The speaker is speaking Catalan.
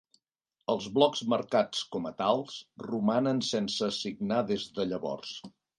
Els blocs marcats com a tals, romanen sense assignar des de llavors.